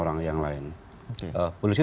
orang yang lain polisi